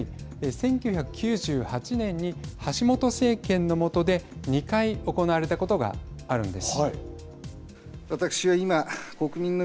１９９８年に橋本政権の下で２回行われたことがあるんです。